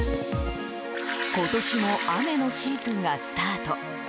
今年も雨のシーズンがスタート。